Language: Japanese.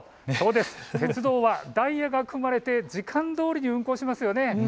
鉄道はダイヤが組まれて時間どおり運行しますよね。